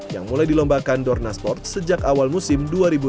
yang mulai dilombakan dorna sport sejak awal musim dua ribu dua puluh